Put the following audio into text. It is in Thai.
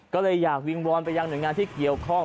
ก็เลยอยากวิงวอนไปยังหน่วยงานที่เกี่ยวข้อง